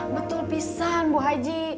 betul pisang bu haji